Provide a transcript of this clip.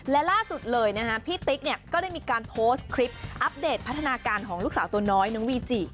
และล่าสุดเลยนะฮะพี่ติ๊กเนี่ยก็ได้มีการโพสต์คลิปอัปเดตพัฒนาการของลูกสาวตัวน้อยน้องวีจิ